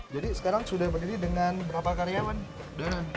jadi sekarang sudah berdiri dengan berapa karyawan